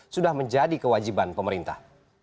sudah menjadi kewajiban pemerintah